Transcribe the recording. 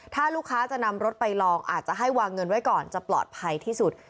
ถ้าลูกค้าจะนำรถไปลองอาจจะให้วางเงินไว้ก่อนจะปลอดภัยที่สุด